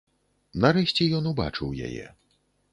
Нарэшце ён убачыў яе.